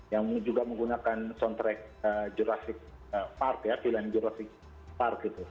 yang juga menggunakan soundtrack jurassic